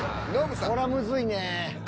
これはムズいね。